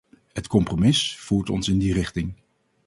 Het compromis voert ons in die richting.